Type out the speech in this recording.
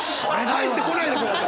入ってこないでください！